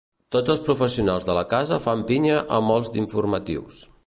Tots els professionals de la casa fan pinya amb els d'informatius.